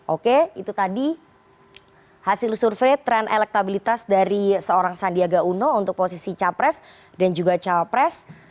oke itu tadi hasil survei tren elektabilitas dari seorang sandiaga uno untuk posisi capres dan juga cawapres